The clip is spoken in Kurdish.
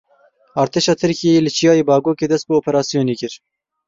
Artêşa Tirkiyeyê li Çiyayê Bagokê dest bi operasyonê kir.